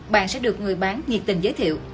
bạn sẽ được người bán nhiệt tình giới thiệu